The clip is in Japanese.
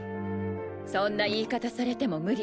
そんな言い方されても無理